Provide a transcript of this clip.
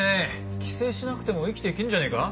寄生しなくても生きていけんじゃねえか？